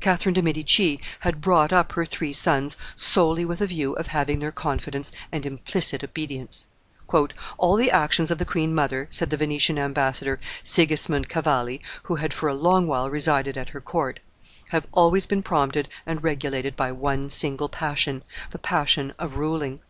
Catherine de Medici had brought up her three sons solely with a view of having their confidence and implicit obedience. "All the actions of the queen mother," said the Venetian ambassador Sigismund Cavalli, who had for a long while resided at her court, "have always been prompted and regulated by one single passion, the passion of ruling."